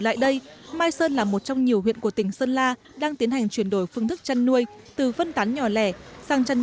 chân nuôi chân nuôi là một trong những huyện của tỉnh sơn la đang tiến hành chuyển đổi phương thức chân nuôi từ vấn tán nhỏ lẻ sang chân nuôi